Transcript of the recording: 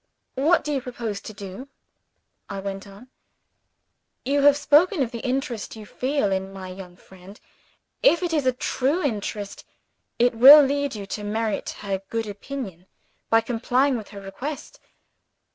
"What do you propose to do?" I went on. "You have spoken of the interest you feel in my young friend. If it is a true interest, it will lead you to merit her good opinion by complying with her request.